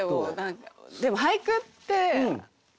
でも俳句って